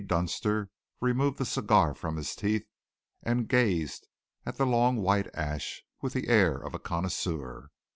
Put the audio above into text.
Dunster removed the cigar from his teeth and gazed at the long white ash with the air of a connoisseur.